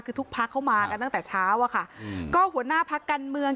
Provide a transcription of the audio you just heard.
คือทุกพักเข้ามากันตั้งแต่เช้าอะค่ะก็หัวหน้าพักการเมือง